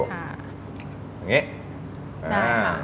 แบบนี้